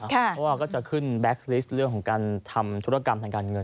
เพราะว่าก็จะขึ้นแบ็คลิสต์เรื่องของการทำธุรกรรมทางการเงิน